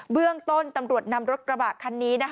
เบื้องต้นตำรวจนำรถกระบะคันนี้